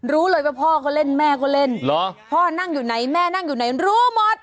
รู้เลยว่าพ่อก็เล่นแม่ก็เล่นเหรอพ่อนั่งอยู่ไหนแม่นั่งอยู่ไหนรู้หมด